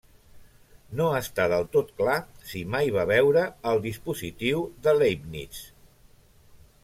No està del tot clar si mai va veure el dispositiu de Leibniz.